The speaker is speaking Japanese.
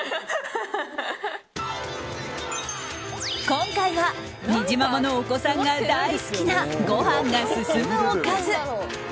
今回はにじままのお子さんが大好きなご飯が進むおかず。